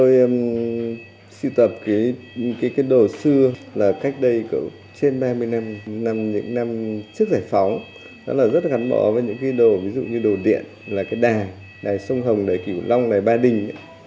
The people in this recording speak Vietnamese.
năm trước giải phóng rất là gắn bỏ với những đồ ví dụ như đồ điện đài đài sông hồng đài kiểu long đài ba đình